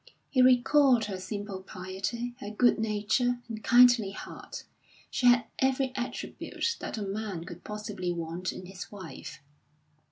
He recalled her simple piety, her good nature, and kindly heart; she had every attribute that a man could possibly want in his wife.